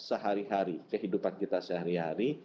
sehari hari kehidupan kita sehari hari